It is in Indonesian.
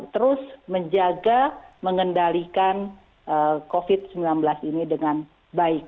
terus menjaga mengendalikan covid sembilan belas ini dengan baik